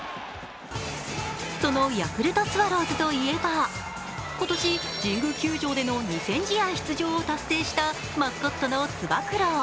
そのヤクルトスワローズといえば今年、神宮球場での２０００試合出場を達成したマスコットのつば九郎。